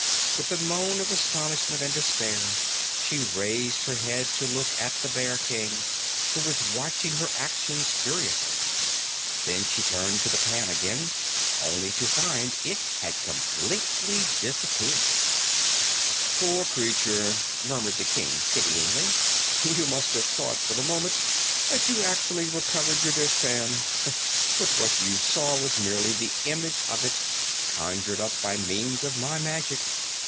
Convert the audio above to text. With a moan of astonishment and despair, she raised her head to look at the Bear King, who was watching her actions curiously. Then she turned to the pan again, only to find it had completely disappeared. "Poor creature!" murmured the King pityingly. "You must have thought, for the moment, that you had actually recovered your dishpan. But what you saw was merely the image of it, conjured up by means of my magic.